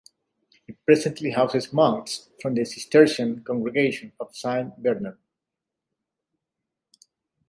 It presently houses monks from the cistercian congregation of St Bernard.